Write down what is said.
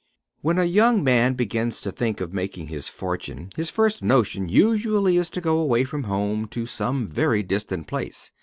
When a young man begins to think of making his fortune, his first notion usually is to go away from home to some very distant place.